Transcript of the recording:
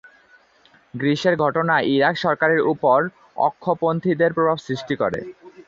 গ্রিসের ঘটনা ইরাক সরকারের উপর অক্ষ-পন্থীদের প্রভাব সৃষ্টি করে।